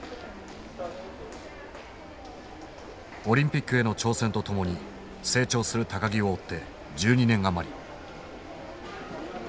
オリンピックへの挑戦とともに成長する木を追って１２年余り。